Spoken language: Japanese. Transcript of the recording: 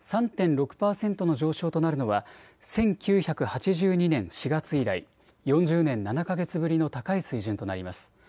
３．６％の上昇となるのは１９８２年４月以来、４０年７か月ぶりの高い水準となります。